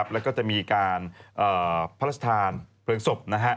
แล้วก็จะมีการพระราชทานเพลิงศพ